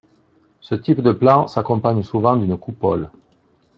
Ce type de plan s'accompagne souvent d'une coupole.